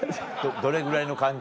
どれぐらいの感じ